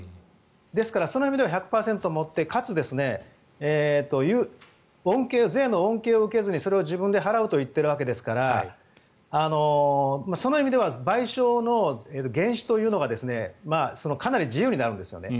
ですからその意味では１００％持ってかつ、税の恩恵を受けずにそれを自分で払うと言っているわけですからその意味では賠償の原資というのがかなり自由になるんですよね。